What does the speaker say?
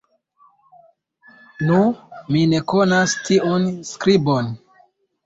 Nu! mi ne konas tiun skribon!